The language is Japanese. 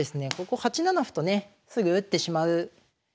ここ８七歩とねすぐ打ってしまう手がね